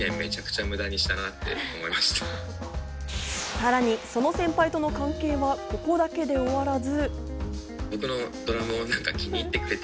さらに、その先輩との関係はここだけで終わらず。